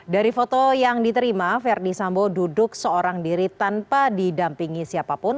dari foto yang diterima verdi sambo duduk seorang diri tanpa didampingi siapapun